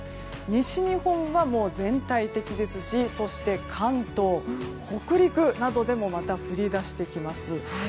西日本は、もう全体的ですしそして関東、北陸などでもまた降り出してきます。